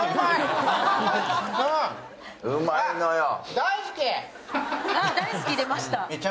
「大好き！」出ました。